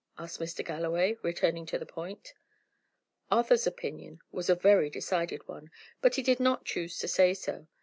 asked Mr. Galloway, returning to the point. Arthur's opinion was a very decided one, but he did not choose to say so.